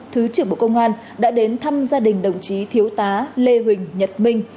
thứ trưởng bộ công an đã đến thăm gia đình đồng chí thiếu tá lê huỳnh nhật minh